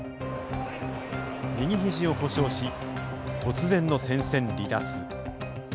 右ひじを故障し突然の戦線離脱。